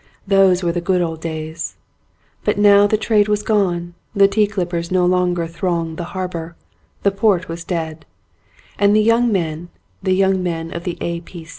Those'were the good old days. But now the trade was gone, the tea clippers no longer thronged the harbour, the port was dead, and the young men, the young men of the A.